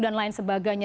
dan lain sebagainya